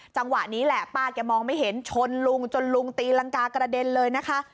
จังหวะนี้แหละป้าแกมองไม่เห็นชนลุงจนลุงตีรังกากระเด็นเลยนะคะ